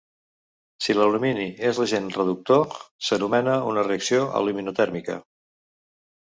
Si l'alumini és l'agent reductor, s'anomena una reacció aluminotèrmica.